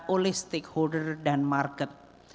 oleh stakeholder dan market